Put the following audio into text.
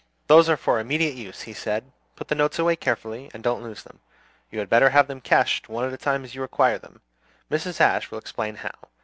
"Those are for immediate use," he said. "Put the notes away carefully, and don't lose them. You had better have them cashed one at a time as you require them. Mrs. Ashe will explain how.